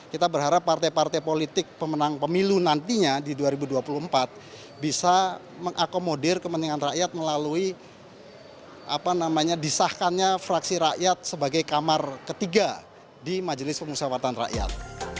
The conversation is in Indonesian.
kita berharap partai partai politik pemenang pemilu nantinya di dua ribu dua puluh empat bisa mengakomodir kepentingan rakyat melalui disahkannya fraksi rakyat sebagai kamar ketiga di majelis pemusyawaratan rakyat